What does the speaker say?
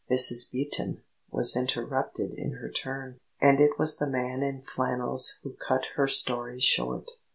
Mrs. Beaton was interrupted in her turn, and it was the man in flannels who cut her story short.